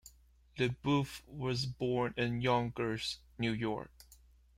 LeBouef was born in Yonkers, New York.